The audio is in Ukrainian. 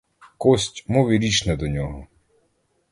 Кость — мов і річ не до нього.